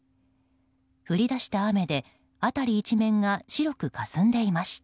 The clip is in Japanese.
降り出した雨で辺り一面が白くかすんでいました。